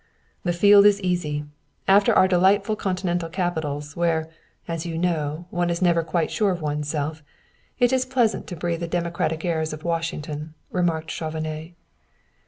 "The field is easy. After our delightful continental capitals, where, as you know, one is never quite sure of one's self, it is pleasant to breathe the democratic airs of Washington," remarked Chauvenet.